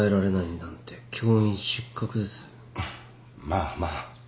まあまあ。